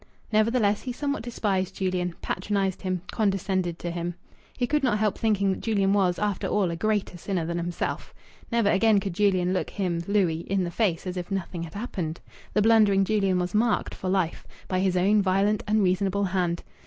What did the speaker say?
Nevertheless, he somewhat despised Julian, patronized him, condescended to him. He could not help thinking that Julian was, after all, a greater sinner than himself. Never again could Julian look him (Louis) in the face as if nothing had happened. The blundering Julian was marked for life, by his own violent, unreasonable hand.